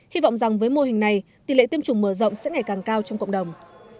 hy vọng rằng với mô hình này tỷ lệ tiêm chủng mở rộng sẽ ngày càng cao trong cộng đồng